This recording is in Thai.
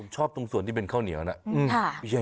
ชอบตรงส่วนที่เป็นข้าวเหนียวนะ